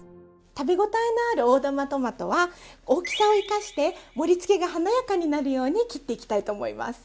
食べごたえのある大玉トマトは大きさを生かして盛りつけが華やかになるように切っていきたいと思います。